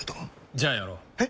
じゃあやろう。え？